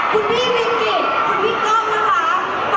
คุณพี่แมคกิสคุณพี่ก้มนะคะ